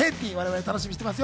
楽しみにしています。